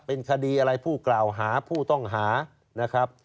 เป็นคดีอะไรผู้กล่าวหาผู้ต้องหานะครับ